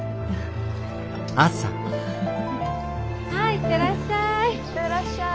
行ってらっしゃい。